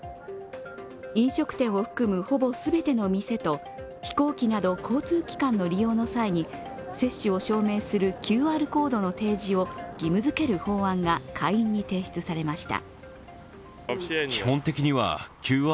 飲食店を含むほぼ全ての店と飛行機など交通機関の利用の際に接種を証明するＱＲコードの提示を義務付ける法案が下院に提出されました。